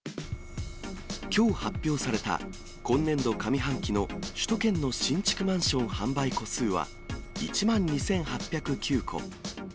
きょう発表された今年度上半期の首都圏の新築マンション販売戸数は１万２８０９戸。